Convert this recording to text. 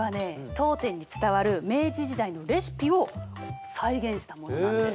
当店に伝わる明治時代のレシピを再現したものなんです。